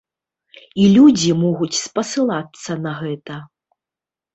І людзі могуць спасылацца на гэта.